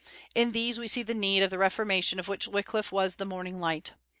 In these we see the need of the reformation of which Wyclif was the morning light.